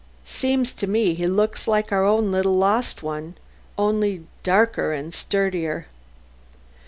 Seems to me he looks like our own little lost one; only darker and sturdier."